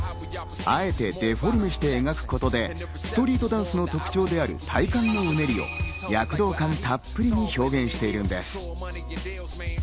あえてデフォルメして描くことで、ストリートダンスの特徴である、体幹のうねりを躍動感たっぷりに表現しているんです。